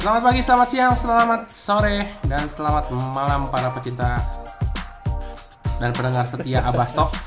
selamat pagi selamat siang selamat sore dan selamat malam para pecinta dan pendengar setia abah stok